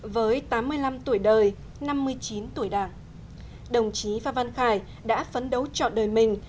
với tám mươi năm tuổi đời năm mươi chín tuổi đảng đồng chí phan văn khải đã phấn đấu chọn đời mình